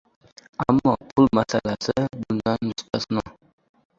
ammo pul masalasi bundan mustasno.